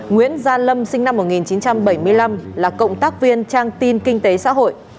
nguyễn gia lâm sinh năm một nghìn chín trăm bảy mươi năm là cộng tác viên trang tin kinh tế xã hội